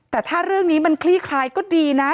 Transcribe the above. แต่ถ้าเรื่องนี้มันคลี่คลายก็ดีนะ